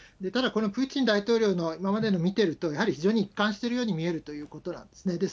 ただ、このプーチン大統領の今までの見てると、非常に一貫しているように見えるということなんですね。